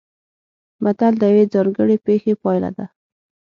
متل د یوې ځانګړې پېښې پایله ده